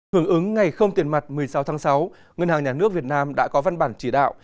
hưởng ứng ngày không tiền mặt một mươi sáu tháng sáu ngân hàng nhà nước việt nam đã có văn bản chỉ đạo